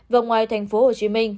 và ngoài tp hcm